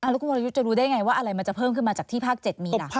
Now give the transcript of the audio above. แล้วคุณวรยุทธ์จะรู้ได้ไงว่าอะไรมันจะเพิ่มขึ้นมาจากที่ภาค๗มีหลัก